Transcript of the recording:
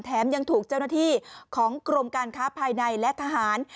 ยังถูกเจ้าหน้าที่ของกรมการค้าภายในและทหาร